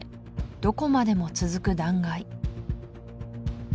どこまでも続く断崖